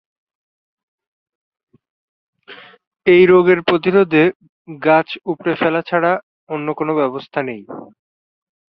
এ রোগের প্রতিরোধে গাছ উপড়ে ফেলা ছাড়া অন্য কোনো ব্যবস্থা নেই।